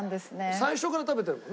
最初から食べてるもんな。